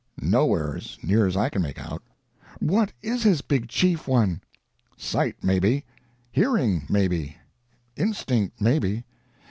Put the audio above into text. Nowhere, as near as I can make out." "What is his big chief one?" "Sight, maybe. Hearing, maybe. Instinct, maybe.